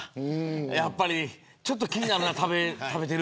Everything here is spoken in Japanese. やっぱりちょっと気になるな。